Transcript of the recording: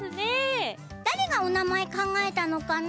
だれがおなまえかんがえたのかな？